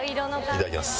いただきます。